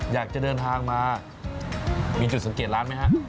อยากจะเดินทางมามีจุดสังเกตร้านไหมฮะ